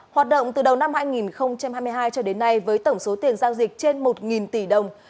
hoạt động từ đầu năm hai nghìn hai mươi hai cho đến nay với tổng số tiền giao dịch trên một tỷ đồng